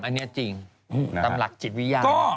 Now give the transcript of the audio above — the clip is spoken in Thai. นี่จริงตามหลักจิตวิหลาด